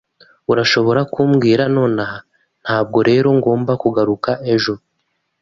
Urashobora kumbwira nonaha, ntabwo rero ngomba kugaruka ejo?